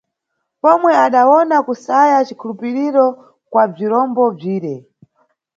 Pomwe adawona kusaya cikhuupiriro kwa bzirombo bzire.